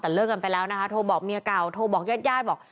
แต่เลิกกันไปแล้วนะคะโทรบอกเมียเก่าโทรบอกญาติญาติบอก